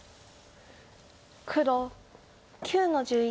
黒９の十一。